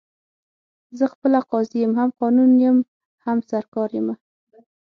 زه خپله قاضي یم، هم قانون یم، هم سرکار یمه